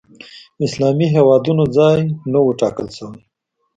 اسلامي هېوادونو ځای نه و ټاکل شوی